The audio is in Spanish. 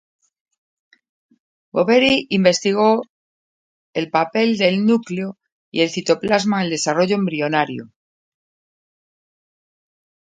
Boveri investigó el papel del núcleo y el citoplasma en el desarrollo embrionario.